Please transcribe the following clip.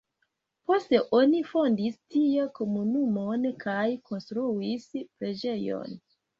Poste oni fondis tie komunumon kaj konstruis preĝejon.